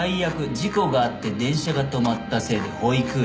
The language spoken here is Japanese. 事故があって電車が止まったせいで保育園に遅刻」